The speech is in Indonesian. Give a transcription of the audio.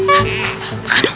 eh tak kakak dong